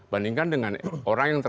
bandingkan dengan orang yang